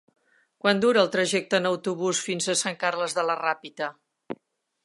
Quant dura el trajecte en autobús fins a Sant Carles de la Ràpita?